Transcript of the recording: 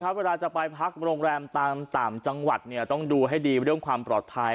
เวลาจะไปพักโรงแรมตามต่างจังหวัดเนี่ยต้องดูให้ดีเรื่องความปลอดภัย